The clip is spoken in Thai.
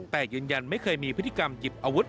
แต่ยืนยันไม่เคยมีพฤติกรรมหยิบอาวุธ